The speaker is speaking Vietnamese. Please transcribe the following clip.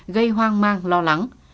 gây hoang mang lo lắng